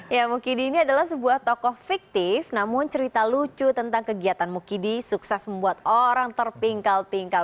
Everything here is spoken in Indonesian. ya mukidi ini adalah sebuah tokoh fiktif namun cerita lucu tentang kegiatan mukidi sukses membuat orang terpingkal pinggal